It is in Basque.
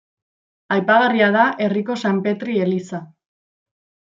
Aipagarria da herriko San Petri eliza.